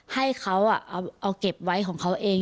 ให้เขาเอาเก็บไว้ของเขาเอง